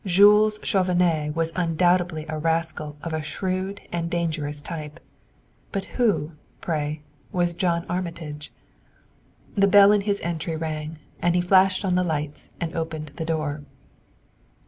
Jules Chauvenet was undoubtedly a rascal of a shrewd and dangerous type; but who, pray, was John Armitage? The bell in his entry rang, and he flashed on the lights and opened the door.